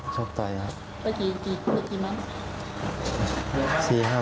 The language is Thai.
ชบต่อยครับไปกี่มัน